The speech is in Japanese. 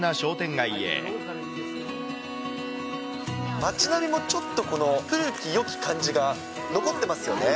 街並みもちょっとこの、古きよき感じが残ってますよね。